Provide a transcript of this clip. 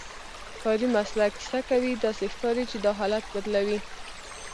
کاري مسلک کیسه کوي، داسې ښکاري چې دا حالت بدلوي.